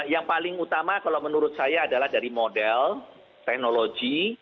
yang paling utama kalau menurut saya adalah dari model teknologi